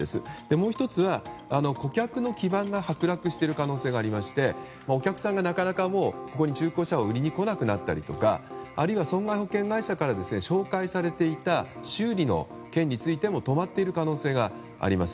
もう１つは顧客の基盤が剥落している可能性がありましてお客さんがなかなか、ここに中古車を売りに来なくなったりとかあるいは損害保険会社から紹介された修理についても止まっている可能性があります。